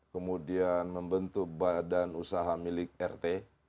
kemudian membentuk badan usaha milik rt